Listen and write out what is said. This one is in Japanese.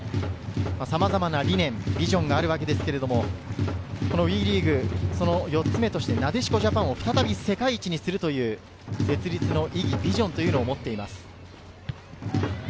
さまざまな理念、ビジョンがあるわけですが、ＷＥリーグ、４つ目としてなでしこジャパンを再び世界一にするという設立の意義、ビジョンを持っています。